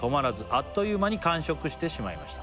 「あっという間に完食してしまいました」